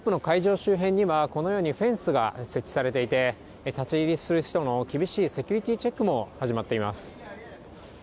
周辺には、このようにフェンスが設置されていて、立ち入りする人の厳しいセキュリティーチェックも始まっています。